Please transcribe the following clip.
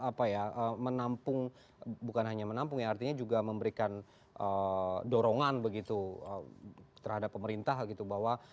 apa ya menampung bukan hanya menampung ya artinya juga memberikan dorongan begitu terhadap pemerintah gitu bahwa